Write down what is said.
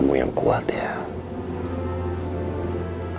aku yakin kamu pasti sembuh